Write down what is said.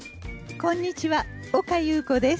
こんにちは岡ゆう子です。